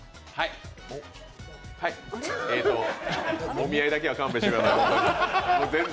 お見合いだけは勘弁してください。